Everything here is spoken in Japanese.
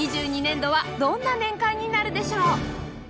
２２年度はどんな年鑑になるでしょう？